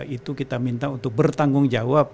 itu kita minta untuk bertanggung jawab